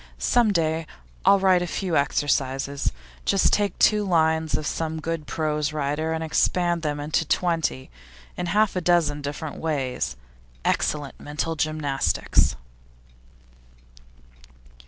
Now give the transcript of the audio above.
Some day I'll write a few exercises; just take two lines of some good prose writer, and expand them into twenty, in half a dozen different ways. Excellent mental gymnastics!